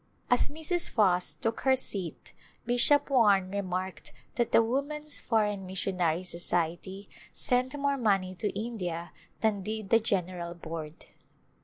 As Mrs. Foss took her seat Bishop Warne re marked that the Woman's Foreign Missionary Society sent more money to India than did the General Board.